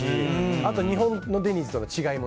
あと日本のデニーズとの違いも。